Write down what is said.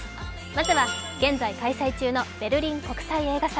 まずは、現在開催中のベルリン国際映画祭。